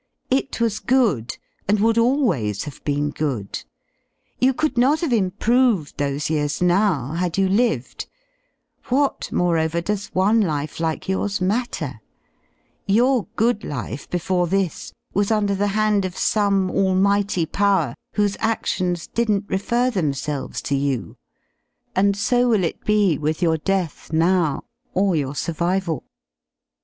It zvas good, and would always have ) been good. Tou could not have improved those years now had '' you lived; whaty moreover , does one life like yours matter; I your good life before this was under the hand of some almighty '^X power whose actions didn*t refer themselves to yoUy and so ^ will it be with your death noWy cr your survival.